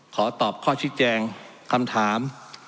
ขอตอบข้อชี้แจงคำถาม